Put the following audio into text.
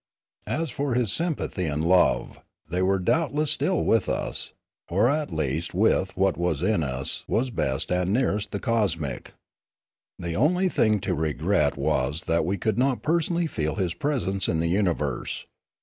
As for his sympathy and love, they were doubtless still with us, or at least with what in us was best and nearest the cosmic. The only thing to regret was that we could not personally feel his presence in the universe.